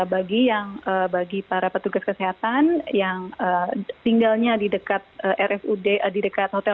bagi yang bagi para petugas kesehatan yang tinggalnya di dekat rsud di dekat hotel